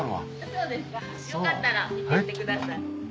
そうですかよかったら見て行ってください。